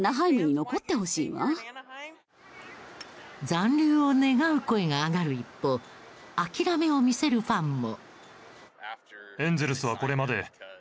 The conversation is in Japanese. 残留を願う声が上がる一方諦めを見せるファンも。